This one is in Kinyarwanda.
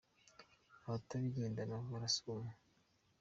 Abatabigendana barasuma